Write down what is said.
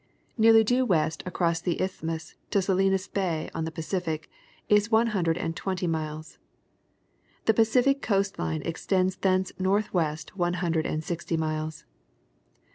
Nearly due west across the Isthmus to Salinas Bay on the Pacific, is one hundred and twenty miles. The Pacific coast line extends thence northwest one hundred and sixty miles.